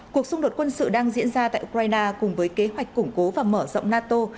cuộc xung đột quân sự đang diễn ra tại ukraine cùng với kế hoạch củng cố và mở rộng nato